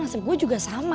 nasib gue juga sama